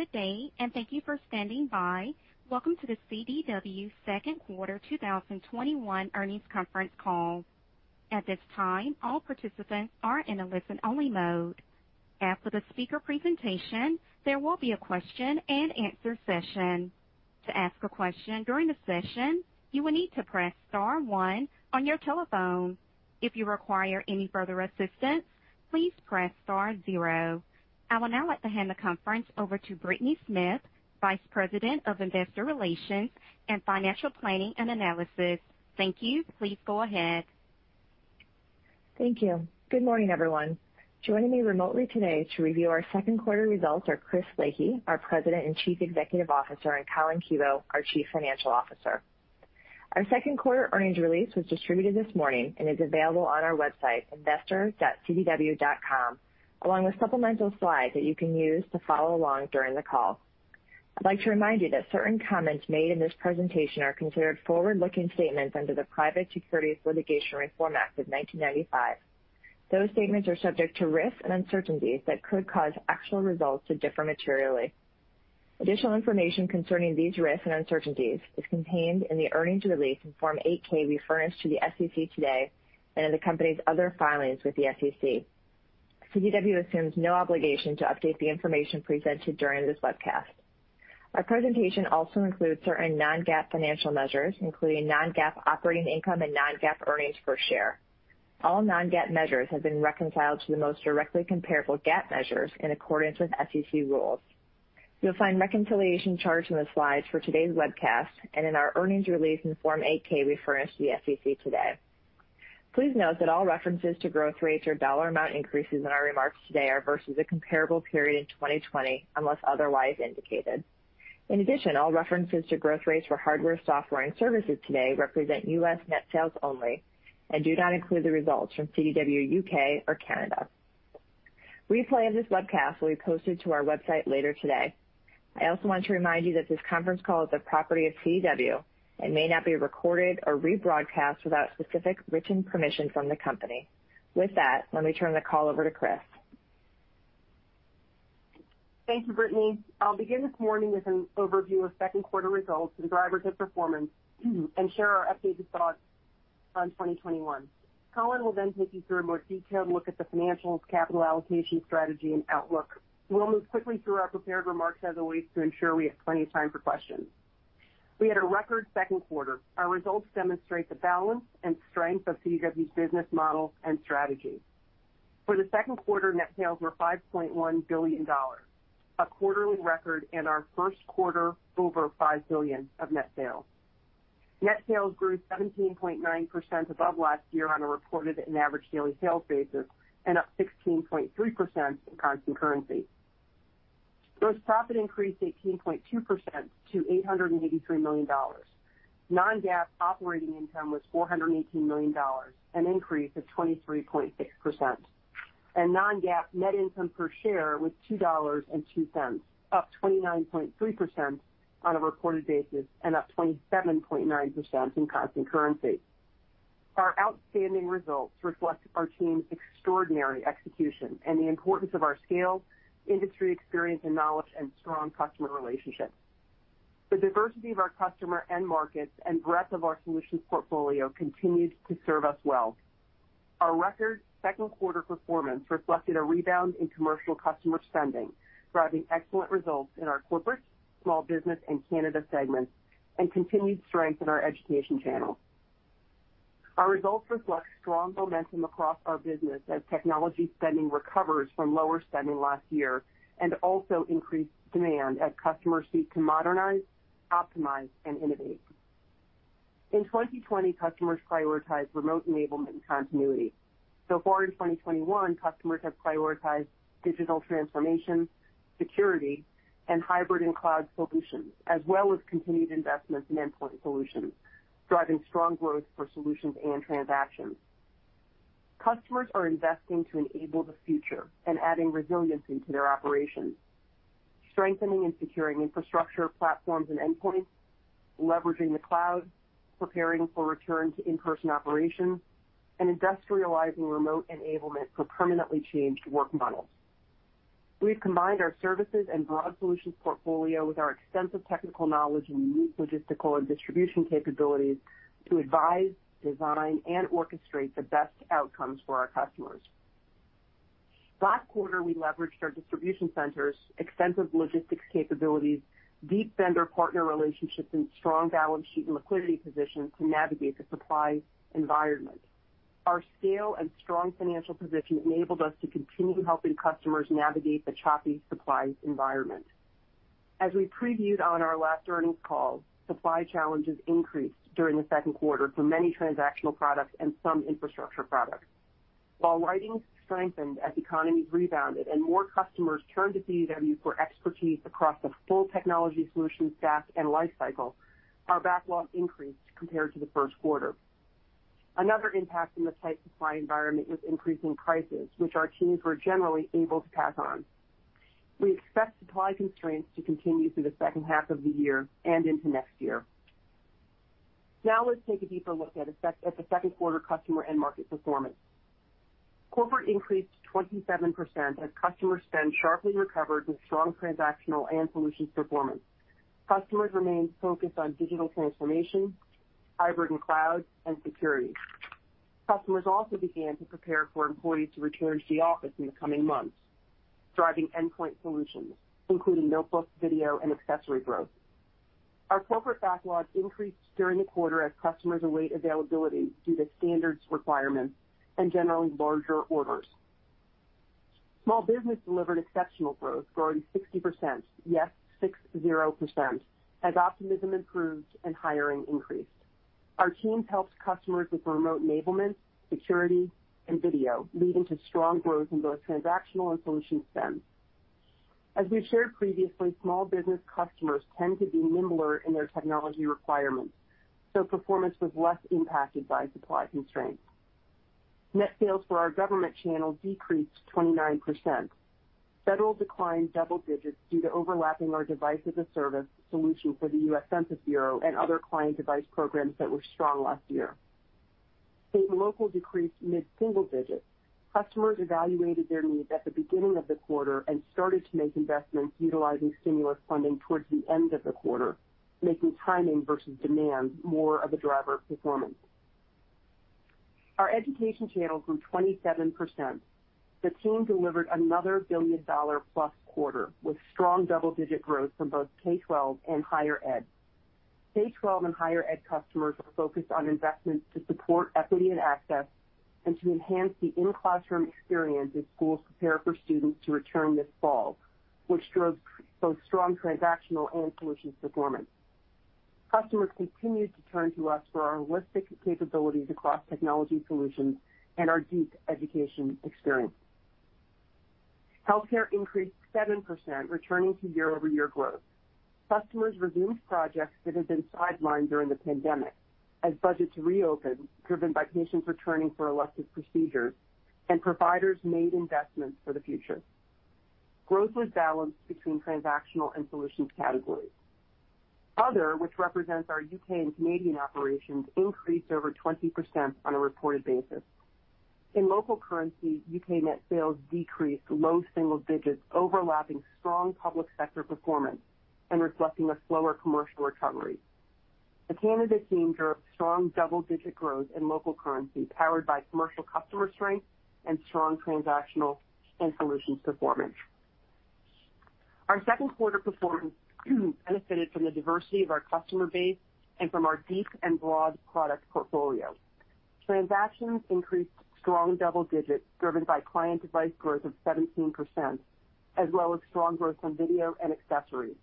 Good day, and thank you for standing by. Welcome to the CDW second quarter 2021 earnings conference call. At this time, all participants are in a listen-only mode. After the speaker presentation, there will be a question-and-answer session. To ask a question during the session, you will need to press star one on your telephone. If you require any further assistance, please press star zero. I will now like to hand the conference over to Brittany Smith, Vice President of Investor Relations and Financial Planning and Analysis. Thank you. Please go ahead. Thank you. Good morning, everyone. Joining me remotely today to review our second quarter results are Chris Leahy, our President and Chief Executive Officer, and Collin Kebo, our Chief Financial Officer. Our second quarter earnings release was distributed this morning and is available on our website, investor.cdw.com, along with supplemental slides that you can use to follow along during the call. I'd like to remind you that certain comments made in this presentation are considered forward-looking statements under the Private Securities Litigation Reform Act of 1995. Those statements are subject to risks and uncertainties that could cause actual results to differ materially. Additional information concerning these risks and uncertainties is contained in the earnings release in Form 8-K we furnished to the SEC today and in the company's other filings with the SEC. CDW assumes no obligation to update the information presented during this webcast. Our presentation also includes certain non-GAAP financial measures, including non-GAAP operating income and non-GAAP earnings per share. All non-GAAP measures have been reconciled to the most directly comparable GAAP measures in accordance with SEC rules. You'll find reconciliation charts in the slides for today's webcast and in our earnings release in Form 8-K we furnished to the SEC today. Please note that all references to growth rates or dollar amount increases in our remarks today are versus the comparable period in 2020, unless otherwise indicated. In addition, all references to growth rates for hardware, software, and services today represent U.S. net sales only and do not include the results from CDW U.K. or Canada. Replay of this webcast will be posted to our website later today. I also want to remind you that this conference call is the property of CDW and may not be recorded or rebroadcast without specific written permission from the company. With that, let me turn the call over to Chris. Thank you, Brittany. I'll begin this morning with an overview of second quarter results and drivers of performance and share our updated thoughts on 2021. Collin will take you through a more detailed look at the financials, capital allocation strategy, and outlook. We'll move quickly through our prepared remarks, as always, to ensure we have plenty of time for questions. We had a record second quarter. Our results demonstrate the balance and strength of CDW's business model and strategy. For the second quarter, net sales were $5.1 billion, a quarterly record and our first quarter over $5 billion of net sales. Net sales grew 17.9% above last year on a reported and average daily sales basis, and up 16.3% in constant currency. Gross profit increased 18.2% to $883 million. Non-GAAP operating income was $418 million, an increase of 23.6%. Non-GAAP net income per share was $2.02, up 29.3% on a reported basis and up 27.9% in constant currency. Our outstanding results reflect our team's extraordinary execution and the importance of our scale, industry experience and knowledge, and strong customer relationships. The diversity of our customer end markets and breadth of our solutions portfolio continued to serve us well. Our record second quarter performance reflected a rebound in commercial customer spending, driving excellent results in our corporate, small business, and Canada segments, and continued strength in our education channel. Our results reflect strong momentum across our business as technology spending recovers from lower spending last year, and also increased demand as customers seek to modernize, optimize, and innovate. In 2020, customers prioritized remote enablement and continuity. Far in 2021, customers have prioritized digital transformation, security, and hybrid and cloud solutions, as well as continued investments in endpoint solutions, driving strong growth for solutions and transactions. Customers are investing to enable the future and adding resiliency to their operations, strengthening and securing infrastructure, platforms, and endpoints, leveraging the cloud, preparing for return to in-person operations, and industrializing remote enablement for permanently changed work models. We've combined our services and broad solutions portfolio with our extensive technical knowledge and unique logistical and distribution capabilities to advise, design, and orchestrate the best outcomes for our customers. Last quarter, we leveraged our distribution centers' extensive logistics capabilities, deep vendor partner relationships, and strong balance sheet and liquidity position to navigate the supply environment. Our scale and strong financial position enabled us to continue helping customers navigate the choppy supply environment. As we previewed on our last earnings call, supply challenges increased during the second quarter for many transactional products and some infrastructure products. While bookings strengthened as economies rebounded and more customers turned to CDW for expertise across the full technology solutions stack and life cycle, our backlog increased compared to the first quarter. Another impact in the tight supply environment was increasing prices, which our teams were generally able to pass on. We expect supply constraints to continue through the second half of the year and into next year. Let's take a deeper look at the second quarter customer end market performance. Corporate increased 27% as customer spend sharply recovered with strong transactional and solutions performance. Customers remained focused on digital transformation, hybrid and cloud, and security. Customers also began to prepare for employees to return to the office in the coming months, driving endpoint solutions, including notebooks, video, and accessory growth. Our corporate backlog increased during the quarter as customers await availability due to standards requirements and generally larger orders. Small business delivered exceptional growth, growing 60%, yes, 60%, as optimism improved and hiring increased. Our teams helped customers with remote enablement, security, and video, leading to strong growth in both transactional and solution spend. As we've shared previously, Small Business customers tend to be nimbler in their technology requirements, so performance was less impacted by supply constraints. Net sales for our Government channel decreased 29%. Federal declined double-digits due to overlapping our Device-as-a-Service solution for the U.S. Census Bureau and other client device programs that were strong last year. State and Local decreased mid-single-digits. Customers evaluated their needs at the beginning of the quarter and started to make investments utilizing stimulus funding towards the end of the quarter, making timing versus demand more of a driver of performance. Our Education channel grew 27%. The team delivered another billion-dollar-plus quarter, with strong double-digit growth from both K-12 and higher ed. K-12 and higher ed customers are focused on investments to support equity and access and to enhance the in-classroom experience as schools prepare for students to return this fall, which drove both strong transactional and solutions performance. Customers continued to turn to us for our holistic capabilities across technology solutions and our deep education experience. Healthcare increased 7%, returning to year-over-year growth. Customers resumed projects that had been sidelined during the pandemic as budgets reopened, driven by patients returning for elective procedures, and providers made investments for the future. Growth was balanced between transactional and solutions categories. Other, which represents our U.K. and Canadian operations, increased over 20% on a reported basis. In local currency, U.K. net sales decreased low single-digits, overlapping strong public sector performance and reflecting a slower commercial recovery. The Canada team drove strong double-digit growth in local currency, powered by commercial customer strength and strong transactional and solutions performance. Our second quarter performance benefited from the diversity of our customer base and from our deep and broad product portfolio. Transactions increased strong double-digits, driven by client device growth of 17%, as well as strong growth from video and accessories.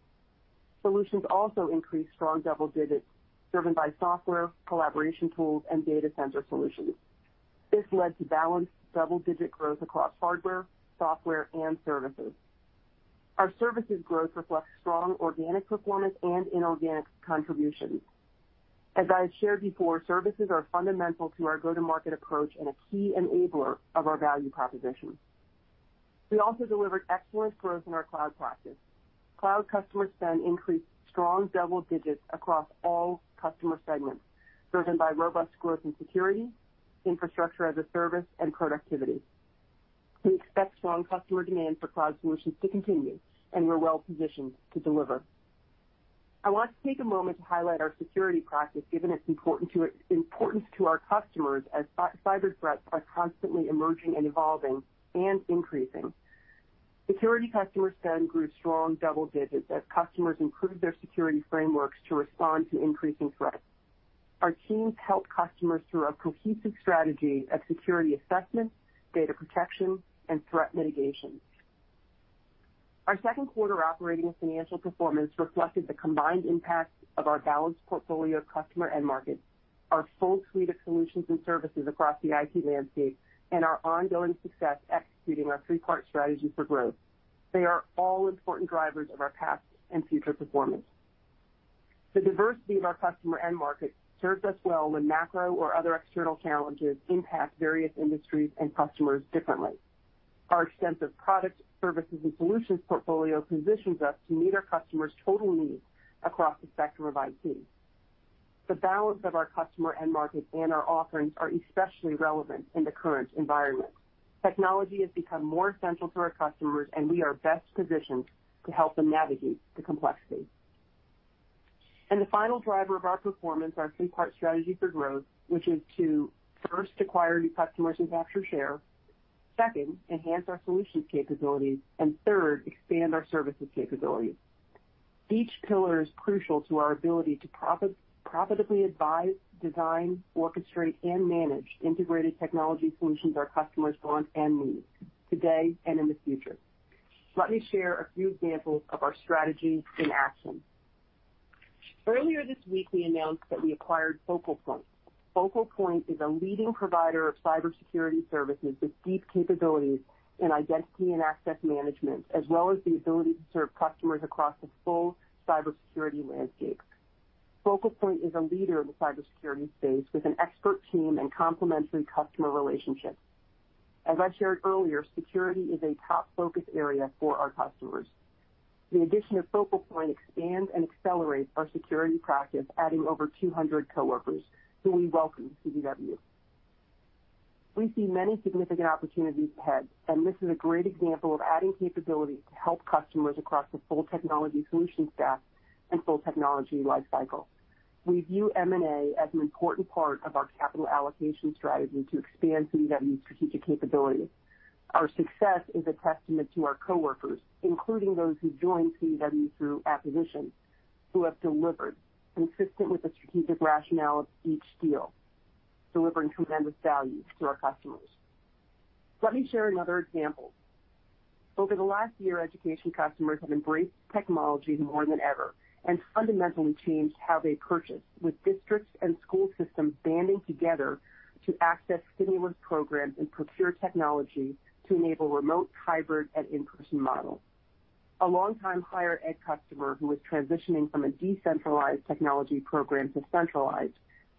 Solutions also increased strong double-digits, driven by software, collaboration tools, and data center solutions. This led to balanced double-digit growth across hardware, software, and services. Our services growth reflects strong organic performance and inorganic contributions. As I have shared before, services are fundamental to our go-to-market approach and a key enabler of our value proposition. We also delivered excellent growth in our cloud practice. Cloud customer spend increased strong double digits across all customer segments, driven by robust growth in security, Infrastructure as a Service, and productivity. We expect strong customer demand for cloud solutions to continue, and we're well-positioned to deliver. I want to take a moment to highlight our security practice given its importance to our customers as cyber threats are constantly emerging and evolving and increasing. Security customer spend grew strong double-digits as customers improved their security frameworks to respond to increasing threats. Our teams help customers through our cohesive strategy of security assessments, data protection, and threat mitigation. Our second quarter operating and financial performance reflected the combined impact of our balanced portfolio of customer end markets, our full suite of solutions and services across the IT landscape, and our ongoing success executing our three-part strategy for growth. They are all important drivers of our past and future performance. The diversity of our customer end markets serves us well when macro or other external challenges impact various industries and customers differently. Our extensive product, services, and solutions portfolio positions us to meet our customers' total needs across the spectrum of IT. The balance of our customer end markets and our offerings are especially relevant in the current environment. Technology has become more central to our customers, and we are best positioned to help them navigate the complexity. The final driver of our performance, our three-part strategy for growth, which is to first acquire new customers and capture share, second, enhance our solutions capabilities, and third, expand our services capabilities. Each pillar is crucial to our ability to profitably advise, design, orchestrate, and manage integrated technology solutions our customers want and need today and in the future. Let me share a few examples of our strategy in action. Earlier this week, we announced that we acquired Focal Point. Focal Point is a leading provider of cybersecurity services with deep capabilities in identity and access management, as well as the ability to serve customers across the full cybersecurity landscape. Focal Point is a leader in the cybersecurity space with an expert team and complementary customer relationships. As I shared earlier, security is a top focus area for our customers. The addition of Focal Point expands and accelerates our security practice, adding over 200 coworkers who we welcome to CDW. This is a great example of adding capability to help customers across the full technology solution stack and full technology life cycle. We view M&A as an important part of our capital allocation strategy to expand CDW's strategic capability. Our success is a testament to our coworkers, including those who joined CDW through acquisition, who have delivered consistent with the strategic rationale of each deal, delivering tremendous value to our customers. Let me share another example. Over the last year, education customers have embraced technology more than ever and fundamentally changed how they purchase, with districts and school systems banding together to access stimulus programs and procure technology to enable remote, hybrid, and in-person models. A longtime higher ed customer who was transitioning from a decentralized technology program to centralized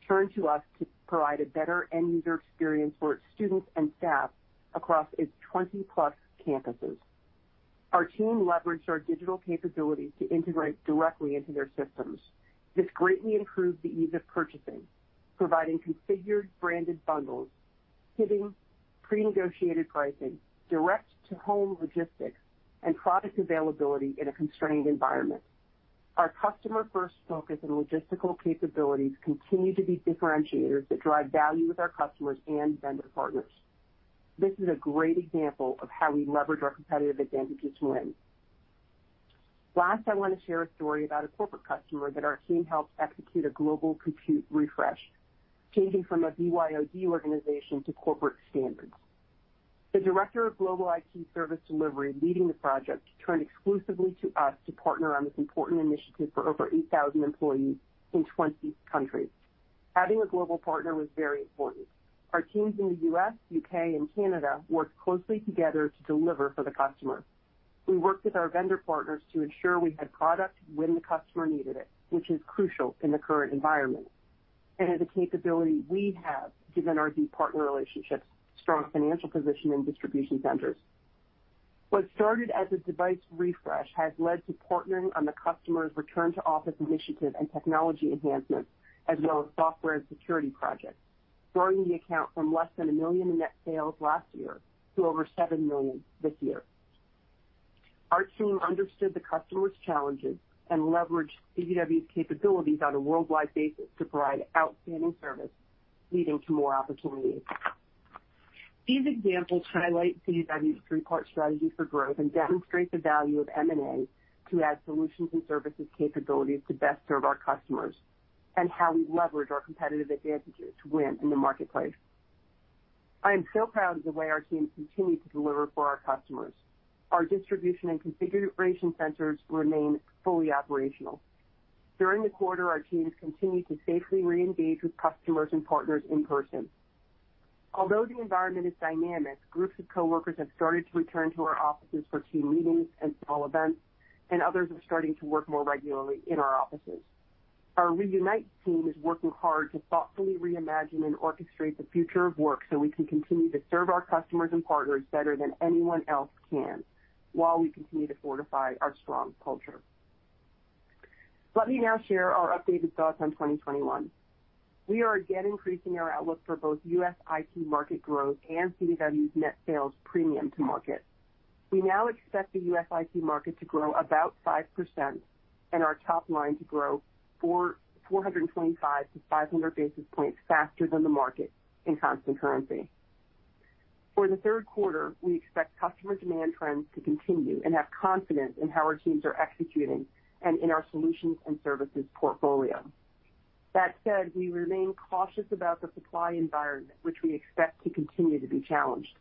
turned to us to provide a better end-user experience for its students and staff across its 20+ campuses. Our team leveraged our digital capabilities to integrate directly into their systems. This greatly improved the ease of purchasing, providing configured branded bundles, giving pre-negotiated pricing, direct-to-home logistics, and product availability in a constrained environment. Our customer-first focus and logistical capabilities continue to be differentiators that drive value with our customers and vendor partners. This is a great example of how we leverage our competitive advantages to win. Last, I want to share a story about a corporate customer that our team helped execute a global compute refresh, changing from a BYOD organization to corporate standards. The director of global IT service delivery leading the project turned exclusively to us to partner on this important initiative for over 8,000 employees in 20 countries. Having a global partner was very important. Our teams in the U.S., U.K., and Canada worked closely together to deliver for the customer. We worked with our vendor partners to ensure we had product when the customer needed it, which is crucial in the current environment, and is a capability we have given our deep partner relationships, strong financial position, and distribution centers. What started as a device refresh has led to partnering on the customer's return-to-office initiative and technology enhancements, as well as software and security projects, growing the account from less than $1 million in net sales last year to over $7 million this year. Our team understood the customer's challenges and leveraged CDW's capabilities on a worldwide basis to provide outstanding service, leading to more opportunities. These examples highlight CDW's three-part strategy for growth and demonstrate the value of M&A to add solutions and services capabilities to best serve our customers, and how we leverage our competitive advantages to win in the marketplace. I am so proud of the way our teams continue to deliver for our customers. Our distribution and configuration centers remain fully operational. During the quarter, our teams continued to safely re-engage with customers and partners in person. Although the environment is dynamic, groups of coworkers have started to return to our offices for team meetings and small events, and others are starting to work more regularly in our offices. Our Reunite team is working hard to thoughtfully reimagine and orchestrate the future of work so we can continue to serve our customers and partners better than anyone else can, while we continue to fortify our strong culture. Let me now share our updated thoughts on 2021. We are again increasing our outlook for both U.S. IT market growth and CDW's net sales premium to market. We now expect the U.S. IT market to grow about 5% and our top line to grow 425-500 basis points faster than the market in constant currency. For the third quarter, we expect customer demand trends to continue and have confidence in how our teams are executing and in our solutions and services portfolio. That said, we remain cautious about the supply environment, which we expect to continue to be challenged.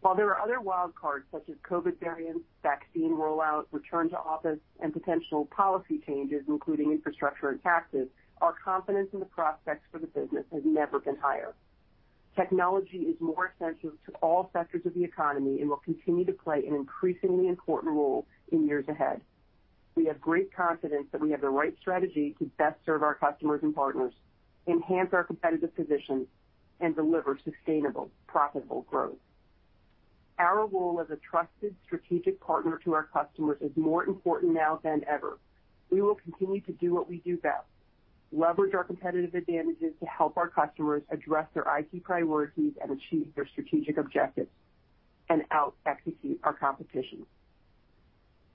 While there are other wild cards, such as COVID variants, vaccine rollout, return to office, and potential policy changes, including infrastructure and taxes, our confidence in the prospects for the business has never been higher. Technology is more essential to all sectors of the economy and will continue to play an increasingly important role in years ahead. We have great confidence that we have the right strategy to best serve our customers and partners, enhance our competitive position, and deliver sustainable, profitable growth. Our role as a trusted strategic partner to our customers is more important now than ever. We will continue to do what we do best, leverage our competitive advantages to help our customers address their IT priorities and achieve their strategic objectives, and out-execute our competition.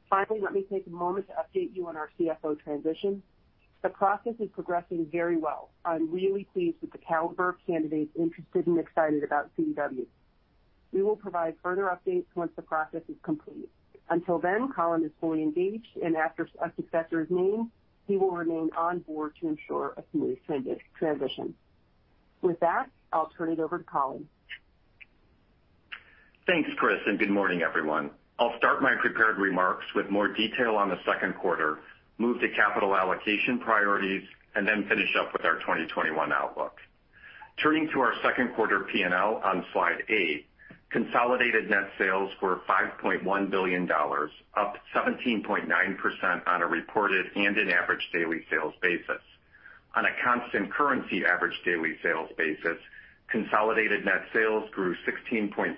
Finally, let me take a moment to update you on our CFO transition. The process is progressing very well. I'm really pleased with the caliber of candidates interested and excited about CDW. We will provide further updates once the process is complete. Until then, Collin is fully engaged, and after a successor is named, he will remain on board to ensure a smooth transition. With that, I'll turn it over to Collin. Thanks, Chris. Good morning, everyone. I'll start my prepared remarks with more detail on the second quarter, move to capital allocation priorities, and then finish up with our 2021 outlook. Turning to our second quarter P&L on Slide eight, consolidated net sales were $5.1 billion, up 17.9% on a reported and an average daily sales basis. On a constant currency average daily sales basis, consolidated net sales grew 16.3%.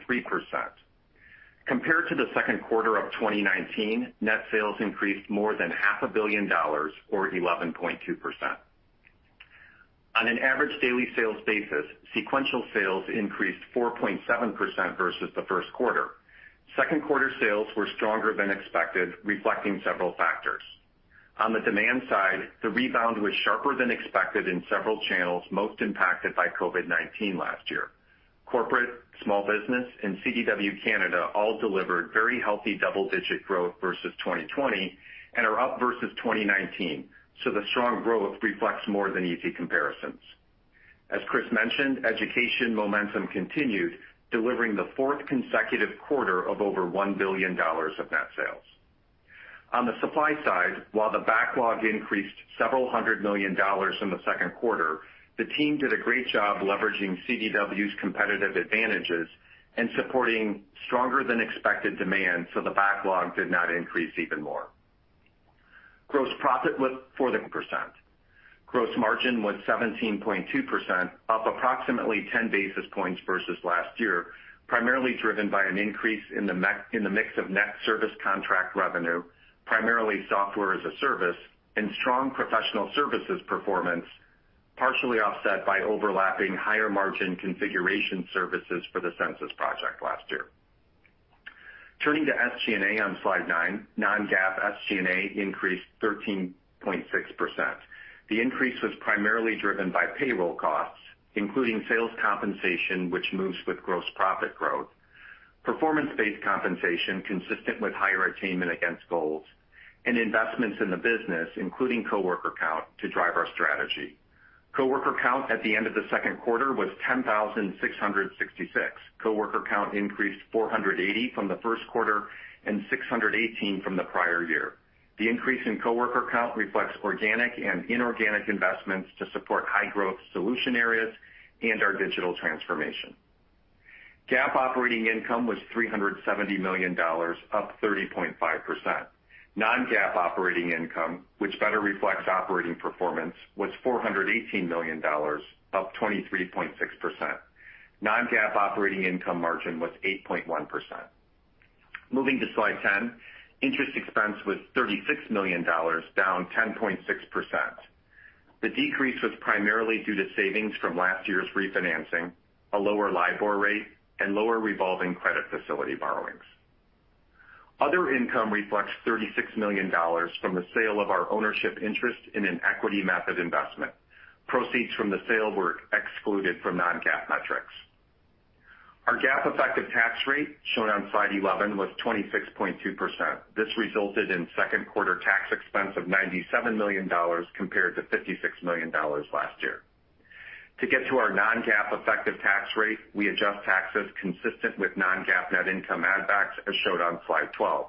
Compared to the second quarter of 2019, net sales increased more than $500 million or 11.2%. On an average daily sales basis, sequential sales increased 4.7% versus the first quarter. Second quarter sales were stronger than expected, reflecting several factors. On the demand side, the rebound was sharper than expected in several channels, most impacted by COVID-19 last year. Corporate, small business, and CDW Canada all delivered very healthy double-digit growth versus 2020, and are up versus 2019. The strong growth reflects more than easy comparisons. As Chris mentioned, education momentum continued, delivering the fourth consecutive quarter of over $1 billion of net sales. On the supply side, while the backlog increased several hundred million dollars in the second quarter, the team did a great job leveraging CDW's competitive advantages and supporting stronger than expected demand, so the backlog did not increase even more. Gross profit was 14%. Gross margin was 17.2%, up approximately 10 basis points versus last year, primarily driven by an increase in the mix of net service contract revenue, primarily Software as a Service and strong professional services performance, partially offset by overlapping higher margin configuration services for the Census project last year. Turning to SG&A on Slide nine, non-GAAP SG&A increased 13.6%. The increase was primarily driven by payroll costs, including sales compensation, which moves with gross profit growth. Performance-based compensation consistent with higher attainment against goals, and investments in the business, including coworker count, to drive our strategy. Coworker count at the end of the second quarter was 10,666. Coworker count increased 480 from the first quarter and 618 from the prior year. The increase in coworker count reflects organic and inorganic investments to support high-growth solution areas and our digital transformation. GAAP operating income was $370 million, up 30.5%. Non-GAAP operating income, which better reflects operating performance, was $418 million, up 23.6%. Non-GAAP operating income margin was 8.1%. Moving to slide 10, interest expense was $36 million, down 10.6%. The decrease was primarily due to savings from last year's refinancing, a lower LIBOR rate, and lower revolving credit facility borrowings. Other income reflects $36 million from the sale of our ownership interest in an equity method investment. Proceeds from the sale were excluded from non-GAAP metrics. Our GAAP effective tax rate, shown on Slide 11, was 26.2%. This resulted in second quarter tax expense of $97 million compared to $56 million last year. To get to our non-GAAP effective tax rate, we adjust taxes consistent with non-GAAP net income add backs as showed on Slide 12.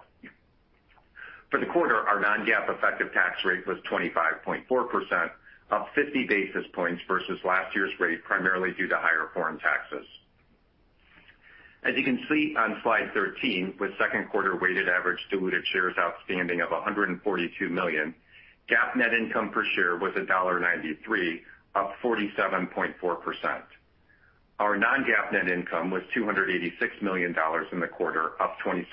For the quarter, our non-GAAP effective tax rate was 25.4%, up 50 basis points versus last year's rate, primarily due to higher foreign taxes. As you can see on Slide 13, with second quarter weighted average diluted shares outstanding of 142 million, GAAP net income per share was $1.93, up 47.4%. Our non-GAAP net income was $286 million in the quarter, up 27%.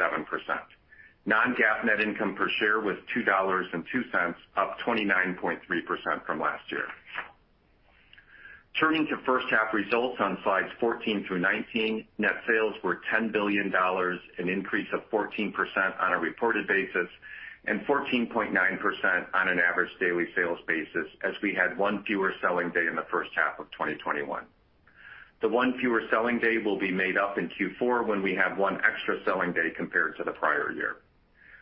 Non-GAAP net income per share was $2.02, up 29.3% from last year. Turning to first half results on Slides 14 through 19, net sales were $10 billion, an increase of 14% on a reported basis and 14.9% on an average daily sales basis, as we had one fewer selling day in the first half of 2021. The one fewer selling day will be made up in Q4 when we have one extra selling day compared to the prior year.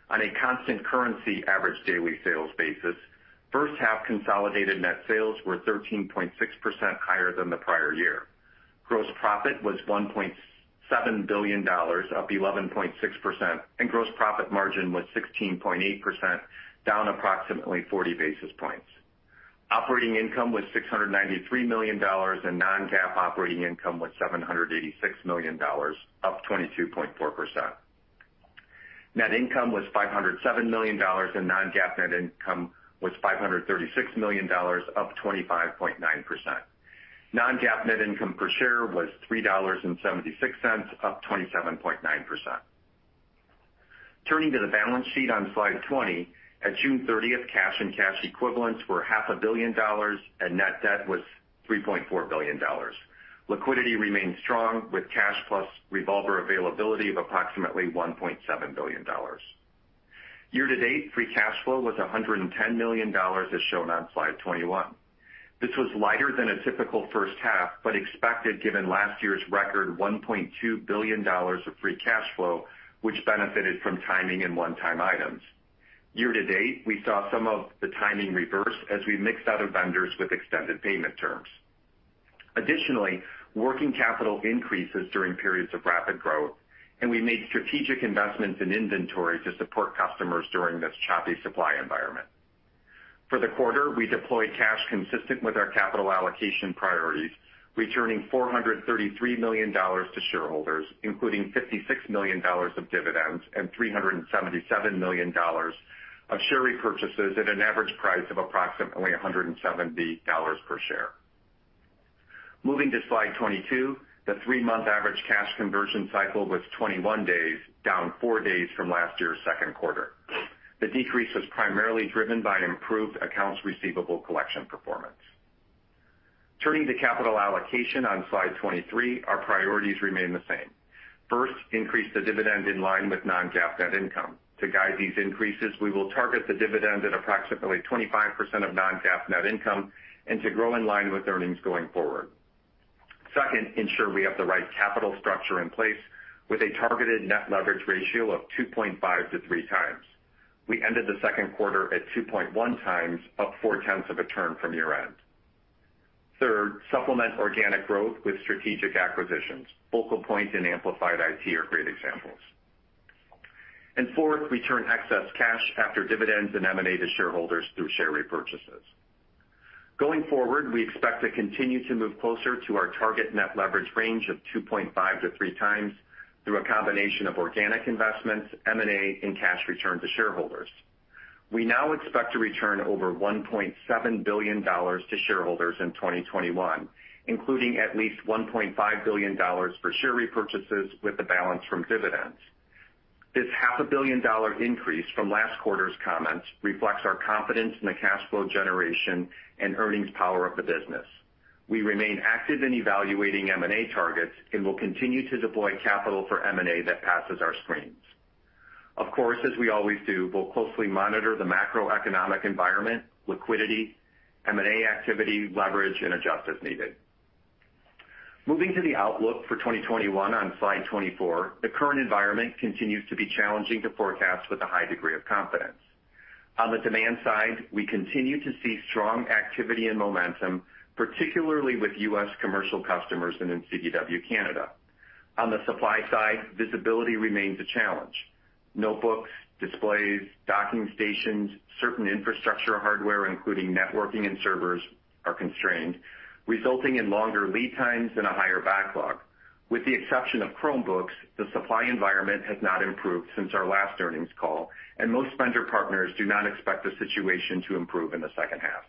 On a constant currency average daily sales basis, first half consolidated net sales were 13.6% higher than the prior year. Gross profit was $1.7 billion, up 11.6%, and gross profit margin was 16.8%, down approximately 40 basis points. Operating income was $693 million, and non-GAAP operating income was $786 million, up 22.4%. Net income was $507 million, and non-GAAP net income was $536 million, up 25.9%. Non-GAAP net income per share was $3.76, up 27.9%. Turning to the balance sheet on Slide 20, at June 30th, cash and cash equivalents were $500 million and net debt was $3.4 billion. Liquidity remains strong with cash plus revolver availability of approximately $1.7 billion. Year-to-date, free cash flow was $110 million, as shown on Slide 21. This was lighter than a typical first half, but expected given last year's record $1.2 billion of free cash flow, which benefited from timing and one-time items. Year-to-date, we saw some of the timing reverse as we mixed out of vendors with extended payment terms. Additionally, working capital increases during periods of rapid growth, and we made strategic investments in inventory to support customers during this choppy supply environment. For the quarter, we deployed cash consistent with our capital allocation priorities, returning $433 million to shareholders, including $56 million of dividends and $377 million of share repurchases at an average price of approximately $170 per share. Moving to Slide 22, the three-month average cash conversion cycle was 21 days, down four days from last year's second quarter. The decrease was primarily driven by improved accounts receivable collection performance. Turning to capital allocation on Slide 23, our priorities remain the same. First, increase the dividend in line with non-GAAP net income. To guide these increases, we will target the dividend at approximately 25% of non-GAAP net income and to grow in line with earnings going forward. Second, ensure we have the right capital structure in place with a targeted net leverage ratio of 2.5x-3x. We ended the second quarter at 2.1x, up 0.4 of a turn from year-end. Third, supplement organic growth with strategic acquisitions. Focal Point and Amplified IT are great examples. Fourth, return excess cash after dividends and M&A to shareholders through share repurchases. Going forward, we expect to continue to move closer to our target net leverage range of 2.5x-3x through a combination of organic investments, M&A, and cash return to shareholders. We now expect to return over $1.7 billion to shareholders in 2021, including at least $1.5 billion for share repurchases with the balance from dividends. This $500 million increase from last quarter's comments reflects our confidence in the cash flow generation and earnings power of the business. We remain active in evaluating M&A targets and will continue to deploy capital for M&A that passes our screens. Of course, as we always do, we'll closely monitor the macroeconomic environment, liquidity, M&A activity, leverage, and adjust as needed. Moving to the outlook for 2021 on Slide 24, the current environment continues to be challenging to forecast with a high degree of confidence. On the demand side, we continue to see strong activity and momentum, particularly with U.S. commercial customers and in CDW Canada. On the supply side, visibility remains a challenge. Notebooks, displays, docking stations, certain infrastructure hardware, including networking and servers, are constrained, resulting in longer lead times and a higher backlog. With the exception of Chromebooks, the supply environment has not improved since our last earnings call, and most vendor partners do not expect the situation to improve in the second half.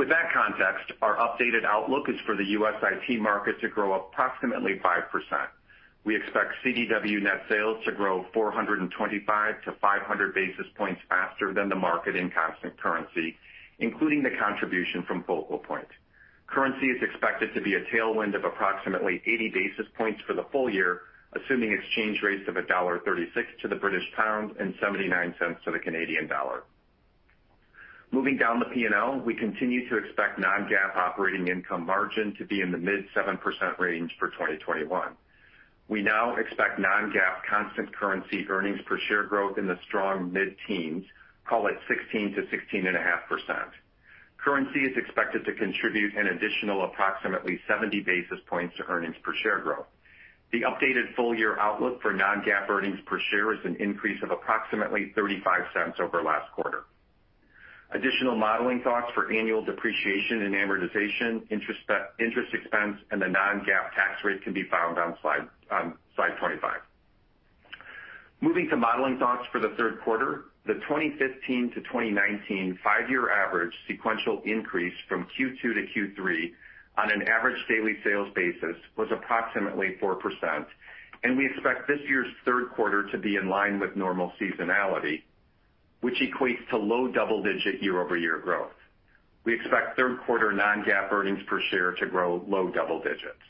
With that context, our updated outlook is for the U.S. IT market to grow approximately 5%. We expect CDW net sales to grow 425-500 basis points faster than the market in constant currency, including the contribution from Focal Point. Currency is expected to be a tailwind of approximately 80 basis points for the full year, assuming exchange rates of $1.36 to the British pound and 0.79 to the Canadian dollar. Moving down the P&L, we continue to expect non-GAAP operating income margin to be in the mid 7% range for 2021. We now expect non-GAAP constant currency earnings per share growth in the strong mid-teens, call it 16%-16.5%. Currency is expected to contribute an additional approximately 70 basis points to earnings per share growth. The updated full-year outlook for non-GAAP earnings per share is an increase of approximately $0.35 over last quarter. Additional modeling thoughts for annual depreciation and amortization, interest expense, and the non-GAAP tax rate can be found on Slide 25. Moving to modeling thoughts for the third quarter, the 2015-2019 five-year average sequential increase from Q2-Q3 on an average daily sales basis was approximately 4%, and we expect this year's third quarter to be in line with normal seasonality, which equates to low double-digit year-over-year growth. We expect third quarter non-GAAP earnings per share to grow low double digits.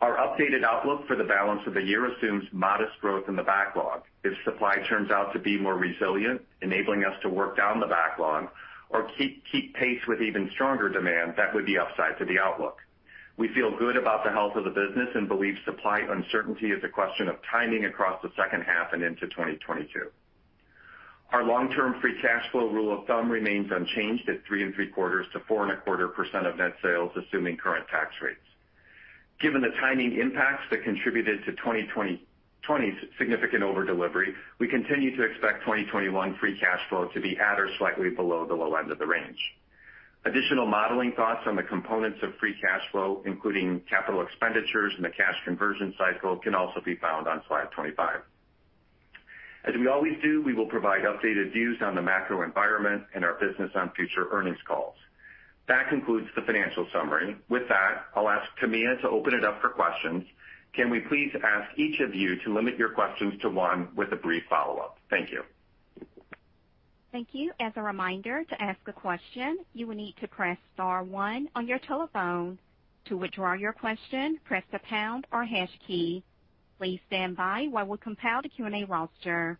Our updated outlook for the balance of the year assumes modest growth in the backlog. If supply turns out to be more resilient, enabling us to work down the backlog or keep pace with even stronger demand, that would be upside to the outlook. We feel good about the health of the business and believe supply uncertainty is a question of timing across the second half and into 2022. Our long-term free cash flow rule of thumb remains unchanged at three and three quarters to 4.25% of net sales, assuming current tax rates. Given the timing impacts that contributed to 2020's significant over delivery, we continue to expect 2021 free cash flow to be at or slightly below the low end of the range. Additional modeling thoughts on the components of free cash flow, including capital expenditures and the cash conversion cycle, can also be found on Slide 25. As we always do, we will provide updated views on the macro environment and our business on future earnings calls. That concludes the financial summary. With that, I'll ask Tamia to open it up for questions. Can we please ask each of you to limit your questions to one with a brief follow-up? Thank you. Thank you. As a reminder, to ask a question, you will need to press star one on your telephone. To withdraw your question, press the pound or hash key. Please stand by while we compile the Q&A roster.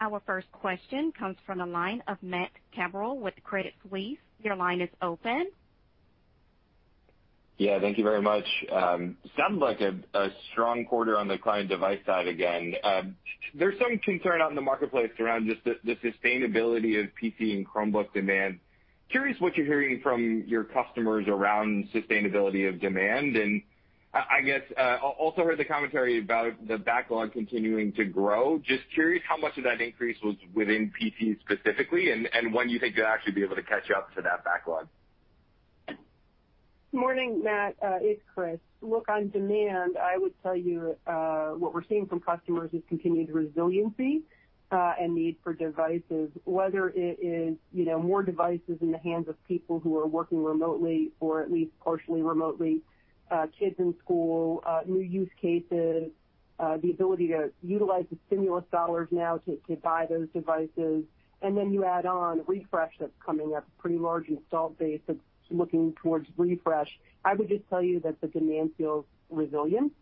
Our first question comes from the line of Matt Cabral with Credit Suisse. Your line is open. Yeah, thank you very much. Sounds like a strong quarter on the client device side again. There's some concern out in the marketplace around just the sustainability of PC and Chromebook demand. Curious what you're hearing from your customers around sustainability of demand. I guess, also heard the commentary about the backlog continuing to grow. Just curious how much of that increase was within PC specifically, and when you think you'll actually be able to catch up to that backlog? Morning, Matt. It's Chris. On demand, I would tell you, what we're seeing from customers is continued resiliency, and need for devices, whether it is more devices in the hands of people who are working remotely or at least partially remotely, kids in school, new use cases, the ability to utilize the stimulus dollars now to buy those devices. You add on refresh that's coming up, pretty large installed base that's looking towards refresh. I would just tell you that the demand feels resilient.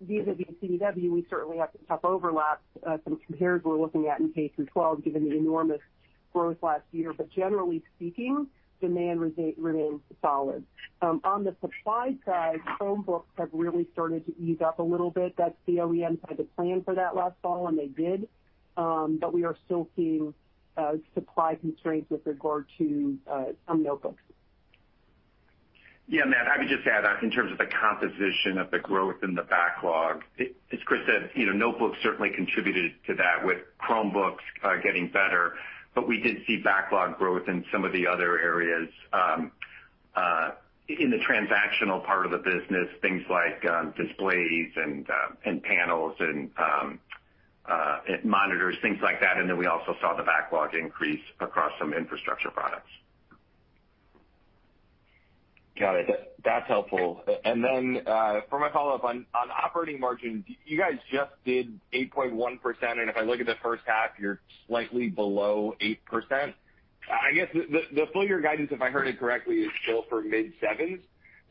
Vis-à-vis CDW, we certainly have some tough overlaps, some compares we're looking at in K-12, given the enormous growth last year. Generally speaking, demand remains solid. On the supply side, Chromebooks have really started to ease up a little bit. That's the OEM side. They planned for that last fall, and they did. We are still seeing supply constraints with regard to some notebooks. Yeah, Matt, I would just add, in terms of the composition of the growth in the backlog, as Chris said, notebooks certainly contributed to that with Chromebooks getting better. We did see backlog growth in some of the other areas, in the transactional part of the business, things like displays and panels and monitors, things like that. We also saw the backlog increase across some infrastructure products. Got it. That's helpful. For my follow-up, on operating margin, you guys just did 8.1%, and if I look at the first half, you're slightly below 8%. I guess the full year guidance, if I heard it correctly, is still for mid-sevens.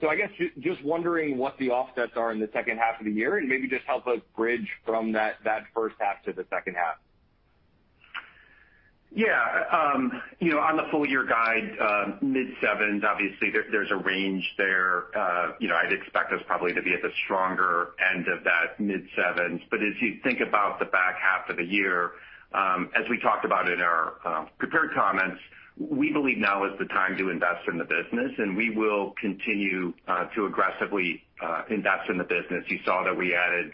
I guess, just wondering what the offsets are in the second half of the year, and maybe just help us bridge from that first half to the second half. Yeah. On the full-year guide, mid-sevens, obviously, there's a range there. I'd expect us probably to be at the stronger end of that mid-sevens. As you think about the back half of the year, as we talked about in our prepared comments, we believe now is the time to invest in the business, and we will continue to aggressively invest in the business. You saw that we added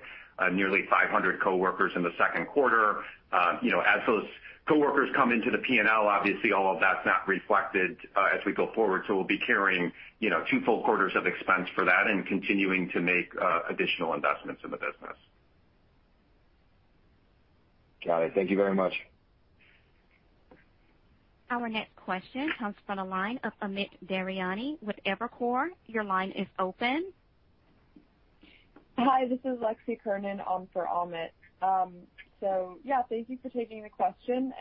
nearly 500 coworkers in the second quarter. As those coworkers come into the P&L, obviously all of that's not reflected as we go forward, so we'll be carrying two full quarters of expense for that and continuing to make additional investments in the business. Got it. Thank you very much. Our next question comes from the line of Amit Daryanani with Evercore. Your line is open. Hi, this is Lexi Curnin on for Amit Daryanani. Yeah, thank you for taking the question.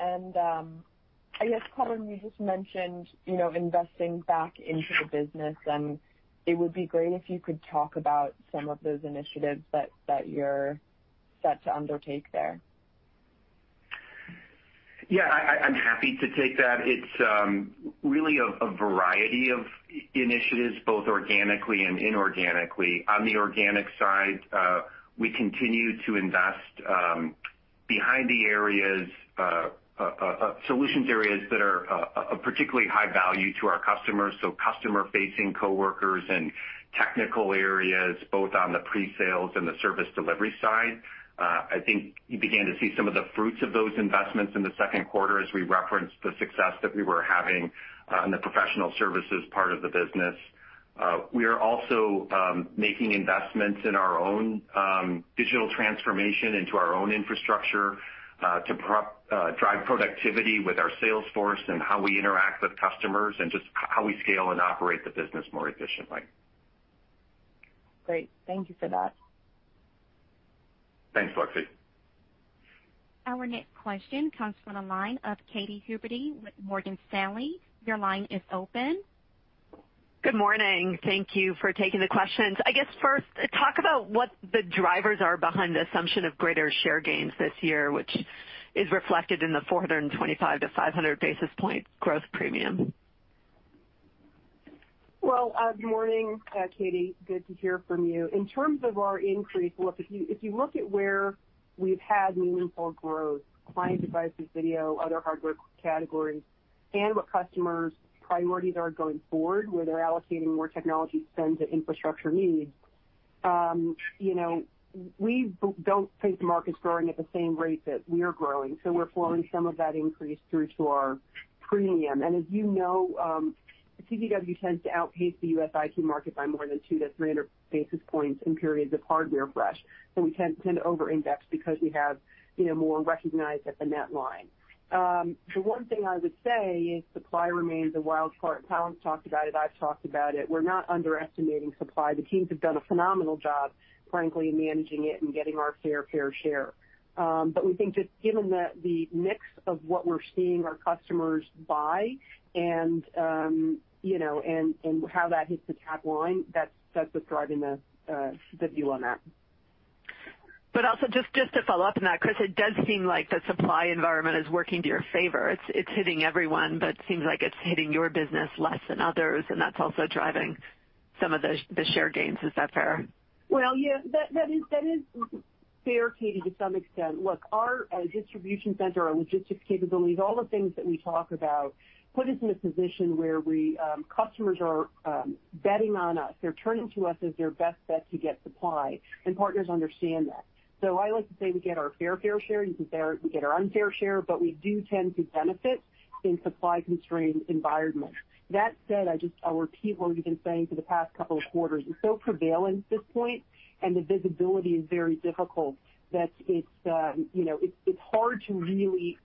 I guess, Collin, you just mentioned investing back into the business, and it would be great if you could talk about some of those initiatives that you're set to undertake there. Yeah, I'm happy to take that. It's really a variety of initiatives, both organically and inorganically. On the organic side, we continue to invest behind the solutions areas that are of particularly high value to our customers, so customer-facing coworkers and technical areas, both on the pre-sales and the service delivery side. I think you began to see some of the fruits of those investments in the second quarter as we referenced the success that we were having in the professional services part of the business. We are also making investments in our own digital transformation, into our own infrastructure, to drive productivity with our sales force and how we interact with customers and just how we scale and operate the business more efficiently. Great. Thank you for that. Thanks, Lexi. Our next question comes from the line of Katy Huberty with Morgan Stanley. Your line is open. Good morning. Thank you for taking the questions. I guess, first, talk about what the drivers are behind the assumption of greater share gains this year, which is reflected in the 425-500 basis point growth premium. Well, good morning, Katy. Good to hear from you. In terms of our increase, look, if you look at where we've had meaningful growth, client devices, video, other hardware categories, and what customers' priorities are going forward, where they're allocating more technology spend to infrastructure needs. We don't think the market's growing at the same rate that we're growing, so we're flowing some of that increase through to our premium. As you know, CDW tends to outpace the U.S. IT market by more than 2-300 basis points in periods of hardware refresh. We tend to over-index because we have more recognized at the net line. The one thing I would say is supply remains a wild card. Collin's talked about it. I've talked about it. We're not underestimating supply. The teams have done a phenomenal job, frankly, in managing it and getting our fair share. We think that given the mix of what we're seeing our customers buy and how that hits the top line, that's what's driving the view on that. Also, just to follow up on that, Chris, it does seem like the supply environment is working to your favor. It's hitting everyone, but it seems like it's hitting your business less than others, and that's also driving some of the share gains. Is that fair? Well, yeah, that is fair, Katy, to some extent. Look, our distribution center, our logistics capabilities, all the things that we talk about put us in a position where customers are betting on us. They're turning to us as their best bet to get supply, and partners understand that. I like to say we get our fair share. You can say we get our unfair share, but we do tend to benefit in supply-constrained environments. That said, I'll repeat what we've been saying for the past couple of quarters. It's so prevalent at this point, and the visibility is very difficult that it's hard to really